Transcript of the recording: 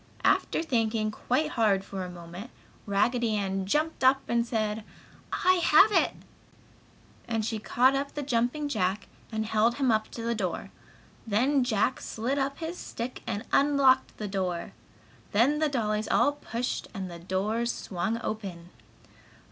After thinking quite hard for a moment, Raggedy Ann jumped up and said: "I have it!" And she caught up the Jumping Jack and held him up to the door; then Jack slid up his stick and unlocked the door. Then the dollies all pushed and the door swung open.